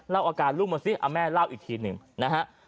เล่าอาการลูกมาสิมึงเล่าอีกทีหนึ่ง